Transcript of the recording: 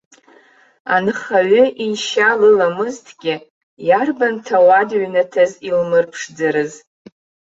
Анхаҩы ишьа лыламызҭгьы, иарбан ҭауад ҩнаҭаз илмырԥшӡарыз.